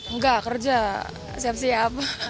enggak kerja siap siap